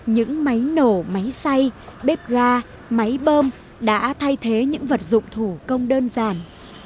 những máy nổ máy xay bếp ga máy bơm đã thay thế những vật dụng thủ công đơn giản